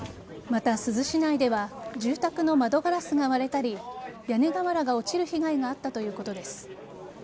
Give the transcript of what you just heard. また、珠洲市内では住宅の窓ガラスが割れたり屋根瓦が落ちる被害があったということです。